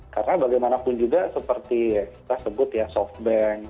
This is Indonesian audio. karena bagaimanapun juga seperti kita sebut ya softbank